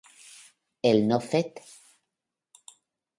El no fet.